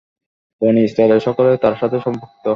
বনী ইসরাঈলের সকলেই তার সাথে সম্পৃক্ত।